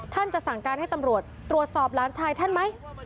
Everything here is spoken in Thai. จะสั่งการให้ตำรวจตรวจสอบหลานชายท่านไหม